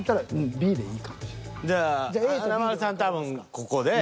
じゃあ華丸さん多分ここで。